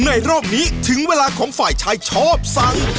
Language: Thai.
รอบนี้ถึงเวลาของฝ่ายชายชอบสั่ง